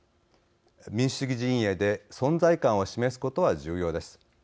民主主義陣営で存在感を示すことは重要です。